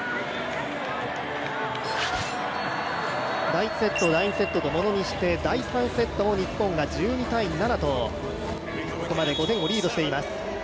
第１セット、第２セットとものにして、第３セットも日本が１２ー７とここまで、５点をリードしています。